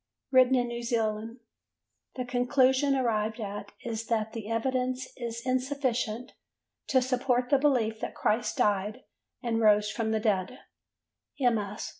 written in New Zealand: the conclusion arrived at is that the evidence is insufficient to support the belief that Christ died and rose from the dead: MS.